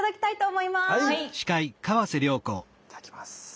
いただきます。